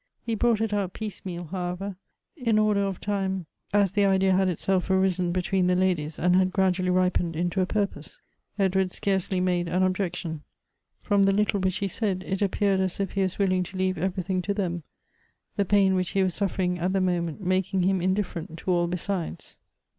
He brought it out piecemeal, however ; in order of time, as the idea had itself arisen between the ladies, and had gradually ripened into a purpose. Edward scarcely made an objection. Prom the little which he said, it appeared as if he was willing to leave everything to them; tlie pain which he was suffering at the moment making him indifferent to all besides.